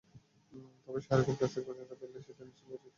তবে শাহরুখের কাছ থেকে প্রশংসা পেলে সেটা নিশ্চয়ই বিশেষ কিছু হবে।